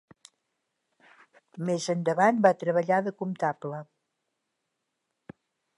Més endavant va treballar de comptable.